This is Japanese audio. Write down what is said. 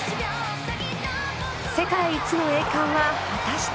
世界一の栄冠は果たして。